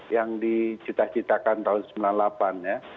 yang dicita citakan tahun seribu sembilan ratus sembilan puluh delapan ya